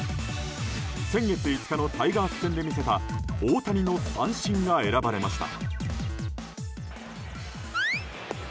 先月５日のタイガース戦で見せた大谷の三振が選ばれました。